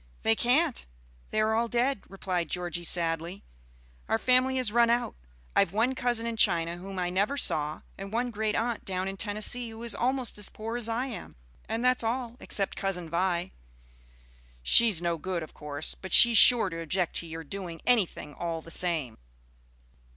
"They can't; they are all dead," replied Georgie, sadly. "Our family has run out. I've one cousin in China whom I never saw, and one great aunt down in Tennessee who is almost as poor as I am, and that's all except Cousin Vi." "She's no good, of course; but she's sure to object to your doing anything all the same."